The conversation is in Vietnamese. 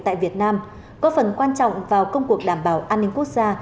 tại việt nam có phần quan trọng vào công cuộc đảm bảo an ninh quốc gia